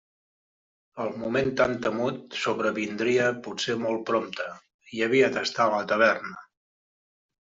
El moment tan temut sobrevindria potser molt prompte, i havia d'estar a la taverna.